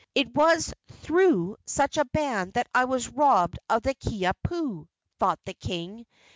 "It was through such a band that I was robbed of the Kiha pu," thought the king.